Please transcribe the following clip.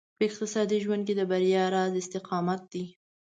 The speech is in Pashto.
په اقتصادي ژوند کې د بريا راز استقامت دی.